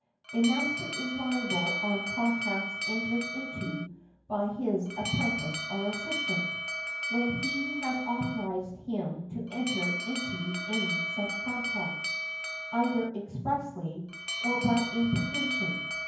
A master is liable on contracts entered into by his apprentice or assistant, when he has authorized him to enter into any such contract, either expressly, or by implication.